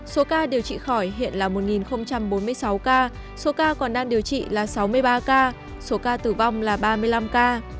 số ca điều trị khỏi hiện là một bốn mươi sáu ca số ca còn đang điều trị là sáu mươi ba ca số ca tử vong là ba mươi năm ca